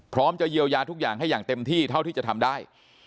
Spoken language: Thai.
พร้อมจะเยียวยาทุกอย่างให้อย่างเต็มที่เท่าที่จะทำได้